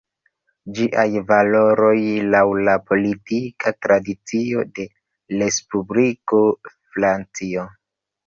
Ĝiaj valoroj, laŭ la politika tradicio de respublika Francio.